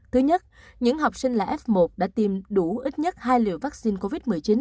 thứ nhất những học sinh là f một đã tiêm đủ ít nhất hai liều vaccine covid một mươi chín